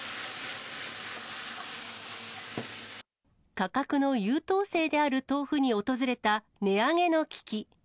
価格の優等生である豆腐に訪れた値上げの危機。